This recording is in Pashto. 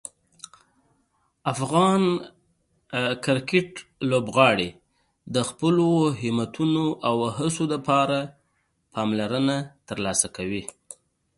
د افغان کرکټ لوبغاړي د خپلو همتونو او هڅو لپاره پاملرنه ترلاسه کوي.